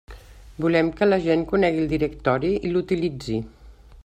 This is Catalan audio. Volem que la gent conegui el directori i l'utilitzi.